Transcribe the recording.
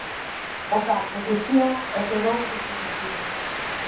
O cal protexíao e quedou desprotexido.